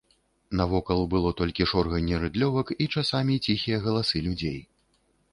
Навокал было толькі шорганне рыдлёвак і часамі ціхія галасы людзей.